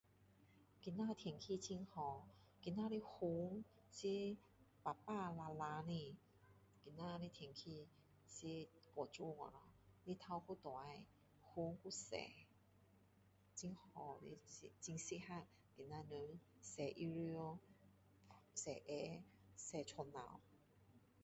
今天天气很好今天的云是白白蓝蓝的今天的天气是太美了咯太阳又大云又多很好的是很适合今天的人洗衣服洗鞋洗床单